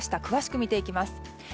詳しく見ていきます。